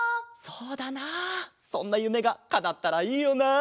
そうだなそんなゆめがかなったらいいよな。